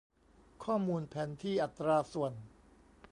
ข้อมูลแผนที่อัตราส่วน